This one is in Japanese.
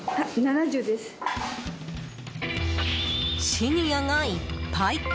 シニアがいっぱい！